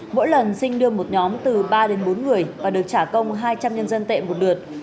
mỗi lần sinh đưa một nhóm từ ba đến bốn người và được trả công hai trăm linh nhân dân tệ một lượt